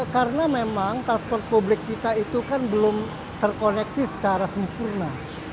karena memang transport publik kita itu kan belum terkoneksi secara sempurna